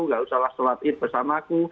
nggak usah lah sholatir bersamaku